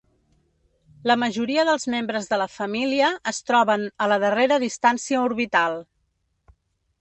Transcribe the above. La majoria dels membres de la família es troben a la darrera distància orbital.